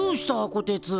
こてつ。